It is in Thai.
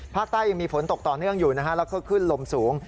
ภาคใต้ยังมีฝนตกต่อเนื่องอยู่นะฮะแล้วก็ขึ้นลมสูง